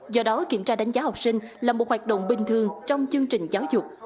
do đó kiểm tra đánh giá học sinh là một hoạt động bình thường trong chương trình giáo dục